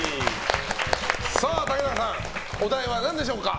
竹中さん、お題は何でしょうか。